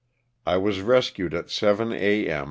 I was rescued at seven a. m.